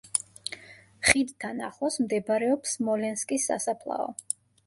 ხიდთან ახლოს მდებარეობს სმოლენსკის სასაფლაო.